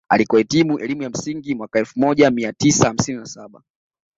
Alikohitimu elimu ya msingi mwaka elfu moja mia tisa hamsini na saba